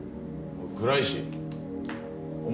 倉石お前